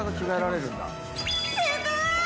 すごーい！